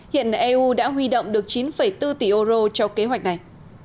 hiện eu đã huy động được chín bốn tỷ euro cho kế hoạch này